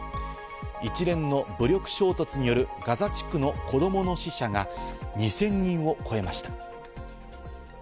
一連の武力衝突によるガザ地区の子どもの死者が２０００人を超えました。